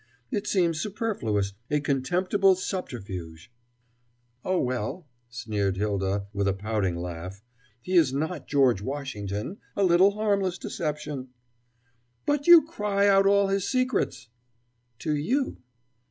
"It seems superfluous, a contemptible subterfuge." "Oh, well," sneered Hylda, with a pouting laugh, "he is not George Washington a little harmless deception." "But you cry out all his secrets!" "To you."